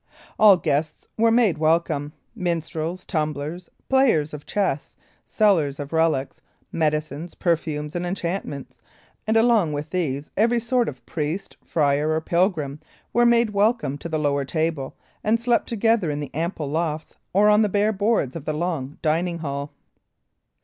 All guests were made welcome. Minstrels, tumblers, players of chess, the sellers of relics, medicines, perfumes, and enchantments, and along with these every sort of priest, friar, or pilgrim, were made welcome to the lower table, and slept together in the ample lofts, or on the bare boards of the long dining hall.